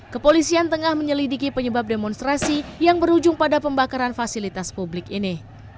kepolisian tengah menyelidiki penyebab demonstrasi yang berujung pada pembakaran fasilitas publik ini